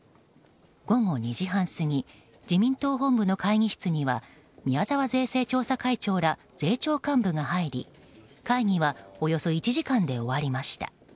午後２時半過ぎ自民党本部の会議室には宮沢税制調査会長ら税調幹部が入り会議はおよそ１時間で終わりました。